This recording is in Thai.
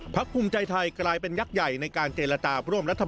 ภูมิใจไทยกลายเป็นยักษ์ใหญ่ในการเจรจาร่วมรัฐบาล